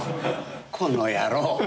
この野郎！